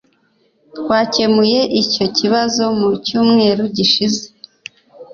Twakemuye icyo kibazo mu cyumweru gishize.